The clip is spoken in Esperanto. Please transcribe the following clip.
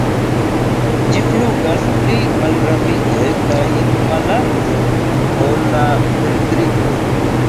Ĝi flugas pli malrapide kaj malalte ol la perdriko.